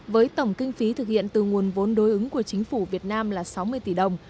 với tổng kinh phí thực hiện từ nguồn vốn đối ứng của chính phủ việt nam là sáu mươi tỷ đồng